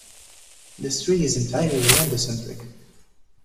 This tree is entirely endocentric.